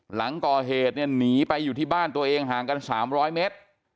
หลังก่อเหตุเนี่ยหนีไปอยู่ที่บ้านตัวเองห่างกัน๓๐๐เมตร